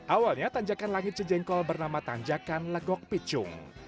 awalnya tanjakan langit cijengkol bernama tanjakan legok picung